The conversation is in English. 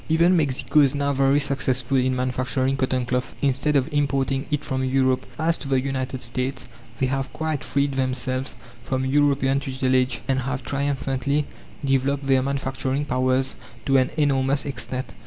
Even Mexico is now very successful in manufacturing cotton cloth, instead of importing it from Europe. As to the United States they have quite freed themselves from European tutelage, and have triumphantly developed their manufacturing powers to an enormous extent.